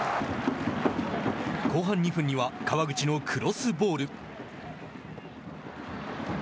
後半２分には川口のクロスボール。